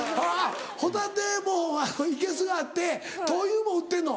ホタテもいけすがあって灯油も売ってんの？